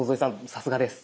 さすがです。